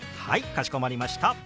かしこまりました。